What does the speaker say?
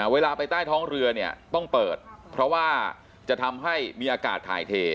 เวลาไปใต้ท้องเรือเนี่ยต้องเปิดเพราะว่าจะทำให้มีอากาศถ่ายเท